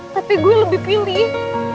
tapi gue lebih pilih